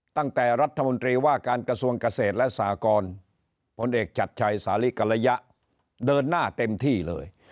ตั้งแต่รัฐมนตรีว่าการกระทรวงเกษตรและสากรผลเอกชัดชัยสาลิกระยะเดินหน้าเต็มที่เลย